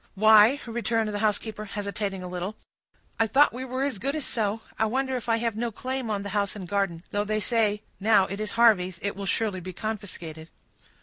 "Why," returned the housekeeper, hesitating a little, "I thought we were as good as so. I wonder if I have no claim on the house and garden; though they say, now it is Harvey's, it will surely be confiscated."